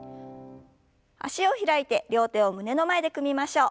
脚を開いて両手を胸の前で組みましょう。